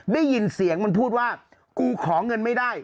ได้ยินเสียงมันพูดว่ากูขอเงินไม่ได้